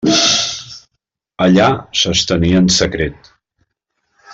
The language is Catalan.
Allà s'estenia en secret.